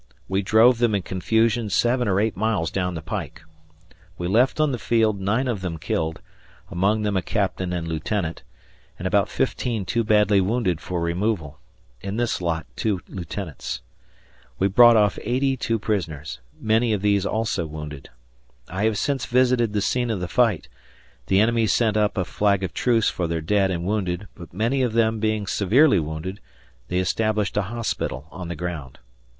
We drove them in confusion seven or eight miles down the pike. We left on the field nine of them killed among them a captain and lieutenant and about fifteen too badly wounded for removal; in this lot two lieutenants. We brought off 82 prisoners, many of these also wounded. I have since visited the scene of the fight. The enemy sent up a flag of truce for their dead and wounded, but many of them being severely wounded, they established a hospital on the ground.